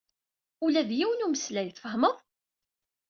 Ula d yiwen umeslay, tfehmeḍ?